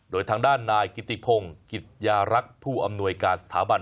โดยทางด้านนายกิติพงศ์กิจยารักษ์ผู้อำนวยการสถาบัน